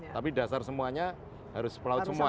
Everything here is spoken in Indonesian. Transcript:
tapi dasar semuanya harus pelaut semua